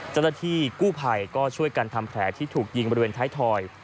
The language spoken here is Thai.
เจ้าหน้าที่กู้ภัยก็ช่วยกันทำแผลที่ถูกยิงบริเวณท้ายถอย